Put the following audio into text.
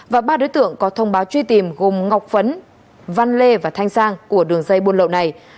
và ba đối tượng có thông báo truy tìm gồm ngọc phấn văn lê và thanh sang của đường dây buôn lậu này